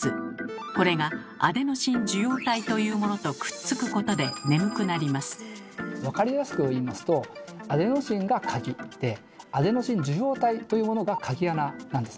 これが「アデノシン受容体」というものとくっつくことで分かりやすく言いますとアデノシンが「鍵」でアデノシン受容体というものが「鍵穴」なんですね。